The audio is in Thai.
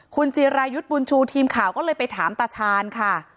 คุณจิรายุทธ์บุญชูทีมข่าวก็เลยไปถามตาชาญค่ะ